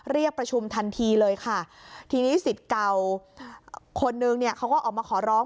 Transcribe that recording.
เรียกประชุมทันทีเลยค่ะทีนี้สิทธิ์เก่าคนนึงเนี่ยเขาก็ออกมาขอร้อง